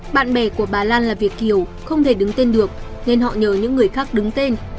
bạn bè của bà lan là việt kiều không thể đứng tên được nên họ nhờ những người khác đứng tên